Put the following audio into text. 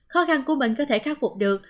khó khăn của mình có thể khắc phục được